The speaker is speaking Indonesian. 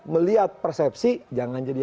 melihat persepsi jangan jadi